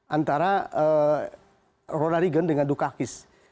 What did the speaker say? antara ronald reagan dengan dukakis